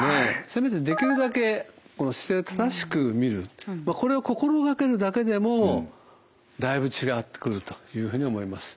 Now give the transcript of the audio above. せめてできるだけこの姿勢を正しく見るこれを心掛けるだけでもだいぶ違ってくるというふうに思います。